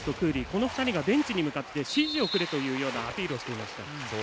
この２人がベンチに向かって指示をくれというアピールをしていました。